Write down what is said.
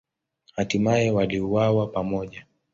Hatimaye waliuawa pamoja.